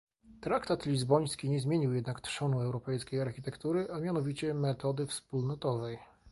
Traktat lizboński nie zmienił jednak trzonu europejskiej architektury, a mianowicie metody wspólnotowej